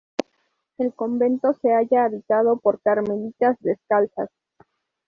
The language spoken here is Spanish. El convento se halla habitado por carmelitas descalzas.